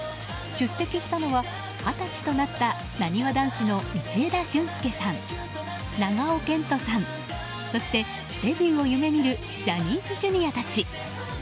出席したのは、二十歳となったなにわ男子の道枝駿佑さん長尾謙杜さんそしてデビューを夢見るジャニーズＪｒ．たち。